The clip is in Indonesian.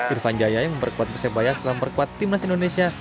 irfan jaya yang memperkuat persebaya setelah memperkuat timnas indonesia